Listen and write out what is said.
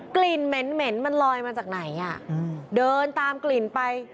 กลิ่นเหม็นมันลอยมาจากไหนอ่ะเดินตามกลิ่นไป